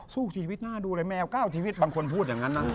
สู้ชีวิตหน้าดูอะไรแมวก้าวชีวิตบางคนพูดอย่างนั้นนะ